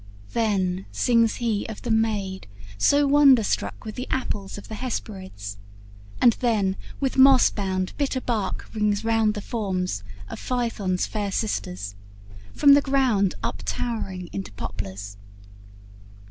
Then sings he of the maid so wonder struck With the apples of the Hesperids, and then With moss bound, bitter bark rings round the forms Of Phaethon's fair sisters, from the ground Up towering into poplars.